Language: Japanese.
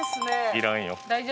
いらんよ。